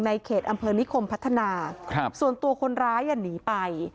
เขตอำเภอนิคมพัฒนาส่วนตัวคนร้ายหนีไป